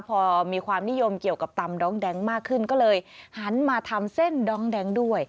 พอมีความนิยมเกี่ยวกับตำด้องแดงมากขึ้นก็เลยหันมาทำเส้นดองแดงด้วย